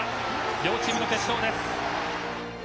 両チームの決勝です。